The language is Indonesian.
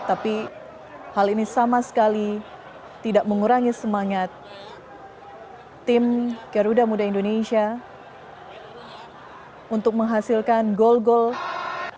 tapi hal ini sama sekali tidak mengurangi semangat tim garuda muda indonesia untuk menghasilkan gol gol